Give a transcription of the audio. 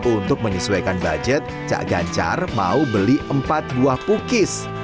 untuk menyesuaikan budget cak ganjar mau beli empat buah pukis